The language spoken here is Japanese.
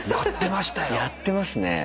やってますね。